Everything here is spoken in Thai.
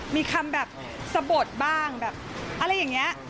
มีคำแบบสะบดบ้างอะไรแบบนี้